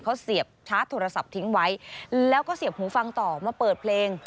เขาเสียบชาร์จโทรศัพท์ทิ้งไว้แล้วก็เสียบหูฟังต่อมาเปิดเพลง